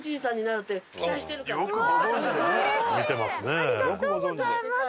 ありがとうございます。